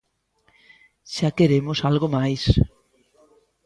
Xa queremos algo máis.